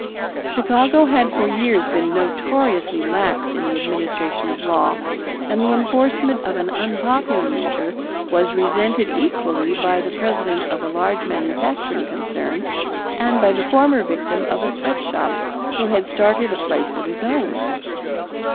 Chicago had for years been notoriously lax in the administration of law, and the enforcement of an unpopular measure was resented equally by the president of a large manufacturing concern and by the former victim of a sweatshop who had started a place of his own.